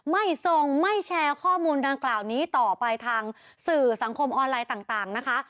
ไม่ส่งไม่แชร์ข้อมูลดังกล่าวนี้ต่อไปทางสื่อสังคมออนไลน์ต่างนะคะ